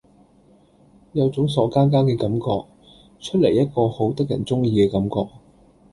有種傻更更嘅感覺，出嚟一個好得人中意嘅感覺